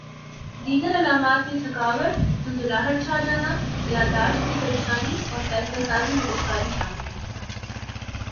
دیگر علامات میں تھکاوٹ دھندلاہٹ چھا جانا یادداشت کی پریشانی اور فیصلہ سازی میں دشواری شامل ہیں